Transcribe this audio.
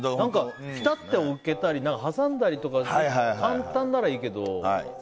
ぴたって置けたり挟んだりと簡単ならいいけど。